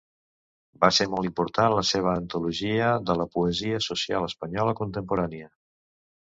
Va ser molt important la seva antologia de la poesia social espanyola contemporània.